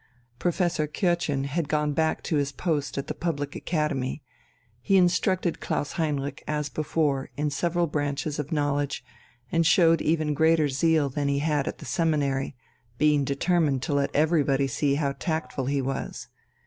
Professor Kürtchen had gone back to his post at the public academy, he instructed Klaus Heinrich as before in several branches of knowledge, and showed even greater zeal than he had at the seminary, being determined to let everybody see how tactful he was.